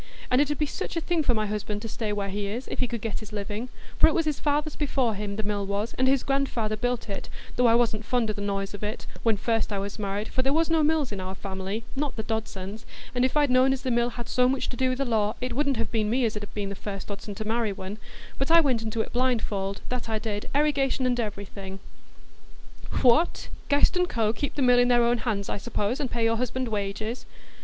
And it 'ud be such a thing for my husband to stay where he is, if he could get his living: for it was his father's before him, the mill was, and his grandfather built it, though I wasn't fond o' the noise of it, when first I was married, for there was no mills in our family,—not the Dodson's,—and if I'd known as the mills had so much to do with the law, it wouldn't have been me as 'ud have been the first Dodson to marry one; but I went into it blindfold, that I did, erigation and everything." "What! Guest &Co. would keep the mill in their own hands, I suppose, and pay your husband wages?"